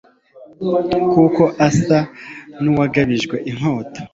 kuko asa n'uwagabijwe inkota